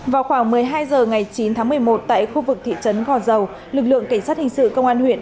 vào khoảng một mươi hai h ngày chín tháng một mươi một tại khu vực thị trấn gò dầu lực lượng cảnh sát hình sự công an huyện